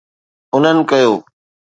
انهن ڪيو